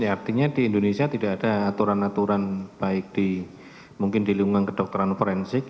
artinya di indonesia tidak ada aturan aturan baik di mungkin di lingkungan kedokteran forensik